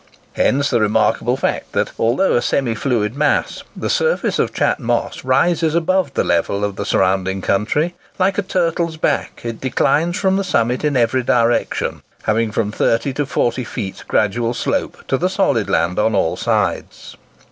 Hence the remarkable fact that, although a semifluid mass, the surface of Chat Moss rises above the level of the surrounding country. Like a turtle's back, it declines from the summit in every direction, having from thirty to forty feet gradual slope to the solid land on all sides.